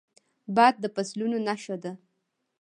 باد د فصلونو نښه ده